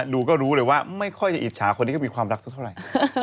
ดูก็รู้เลยว่าไม่ค่อยจะอิจฉาคนที่ก็มีความรักสักเท่าไหร่